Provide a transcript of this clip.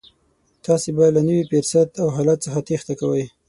تاسې به له نوي فرصت او حالت څخه تېښته کوئ.